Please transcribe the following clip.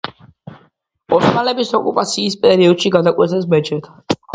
ოსმალების ოკუპაციის პერიოდში გადააკეთეს მეჩეთად.